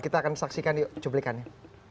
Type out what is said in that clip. kita akan saksikan cuplikannya